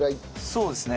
そうですね。